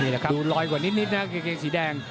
ดูลอยกว่านิดนะกางเกงสีแดง